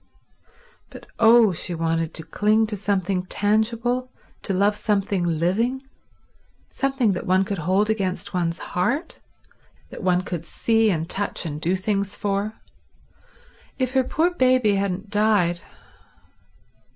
But oh, she wanted to cling to something tangible, to love something living, something that one could hold against one's heart, that one could see and touch and do things for. If her poor baby hadn't died